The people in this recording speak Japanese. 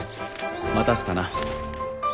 待たせたな。